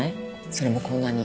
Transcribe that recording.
それもこんなに。